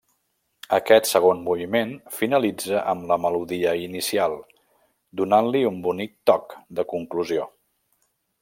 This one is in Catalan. Aquest segon moviment finalitza amb la melodia inicial, donant-li un bonic toc de conclusió.